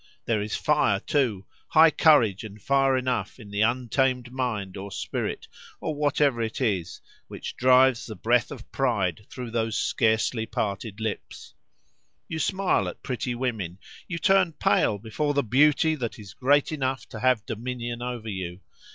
There is fire, though, too—high courage and fire enough in the untamed mind, or spirit, or whatever it is, which drives the breath of pride through those scarcely parted lips. You smile at pretty women—you turn pale before the beauty that is great enough to have dominion over you.